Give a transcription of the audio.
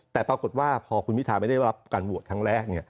แต่ปรากฏว่าพอคุณพิทาไม่ได้รับการโหวตครั้งแรก